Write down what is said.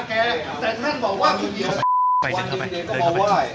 เข้าไปเดินเข้าไปเดินเข้าไป